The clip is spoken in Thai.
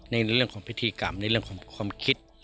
ในเรื่องของพิธีกรรมในเรื่องของความคิด